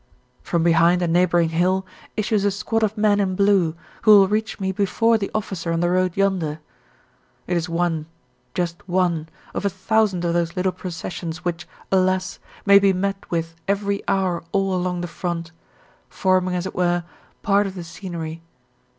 From behind a neighbouring hill issues a squad of men in blue, who will reach me before the officer on the road yonder. It is one, just one, of a thousand of those little processions which, alas! may be met with every hour all along the front, forming, as it were, part of the scenery.